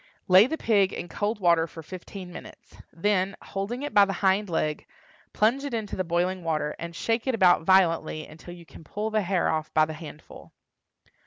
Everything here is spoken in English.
Lay the pig in cold water for fifteen minutes; then, holding it by the hind leg, plunge it into the boiling water, and shake it about violently until you can pull the hair off by the handful.